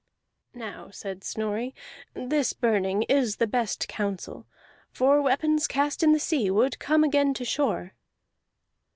"Now," said Snorri, "this burning is the best counsel, for weapons cast in the sea would come again to shore."